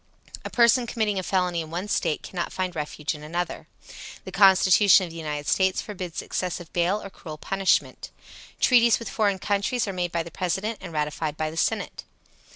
A person committing a felony in one State cannot find refuge in another. The Constitution of the United States forbids excessive bail or cruel punishment. Treaties with foreign countries are made by the President and ratified by the Senate.